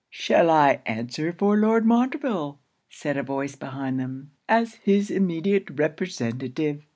'Shall I answer for Lord Montreville,' said a voice behind them, 'as his immediate representative?'